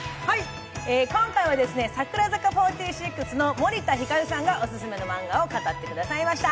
今回は櫻坂４６の森田ひかるさんがオススメのマンガを語ってくださいました。